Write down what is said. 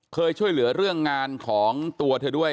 เคยช่วยเหลือเรื่องงานของตัวเธอด้วย